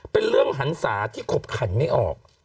เป็นเรื่องหันศาที่ขบขันไม่ออก